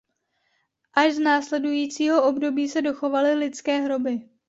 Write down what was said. Až z následujícího období se dochovaly lidské hroby.